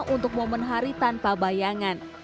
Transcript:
untuk momen hari tanpa bayangan